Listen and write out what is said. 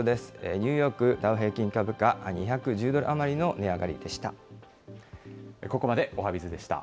ニューヨークダウ平均株価、２１０ドル余りの値上がりでした。